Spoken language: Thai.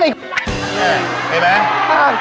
ใช่ใช่ไหม